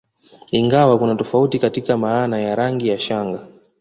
Ingawa kuna tofauti katika maana ya rangi ya shanga